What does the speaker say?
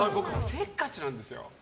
せっかちなんですよ。